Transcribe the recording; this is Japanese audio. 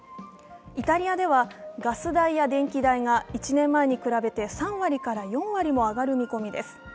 イタリアでは、ガス代や電気代が１年前に比べて３割から４割も上がる見込みです。